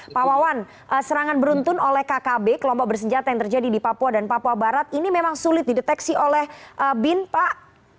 pak wawan serangan beruntun oleh kkb kelompok bersenjata yang terjadi di papua dan papua barat ini memang sulit dideteksi oleh bin pak